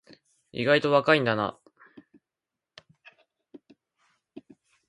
意外と若いんだな